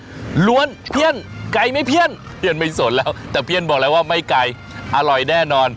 ล้วนเพี้ยนไก่ไม่เพี้ยนเพี้ยนไม่สนแล้วแต่เพี้ยนบอกแล้วว่าไม่ไกลอร่อยแน่นอน